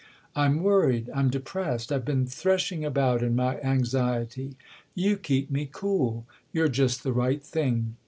" I'm worried, I'm depressed, I've been threshing about in my anxiety. You keep me cool you're just the right thing."